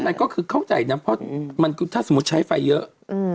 นั่นก็คือเข้าใจนะเพราะมันถ้าสมมุติใช้ไฟเยอะ